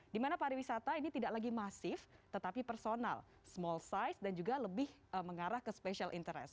dimana pariwisata ini tidak lagi masif tetapi personal small size dan juga lebih mengarah ke special interest